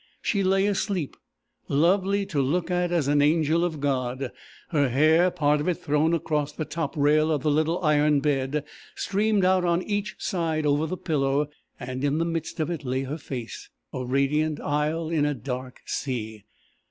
She lay asleep, lovely to look at as an angel of God. Her hair, part of it thrown across the top rail of the little iron bed, streamed out on each side over the pillow, and in the midst of it lay her face, a radiant isle in a dark sea.